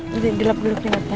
nanti dilap dulu krimatnya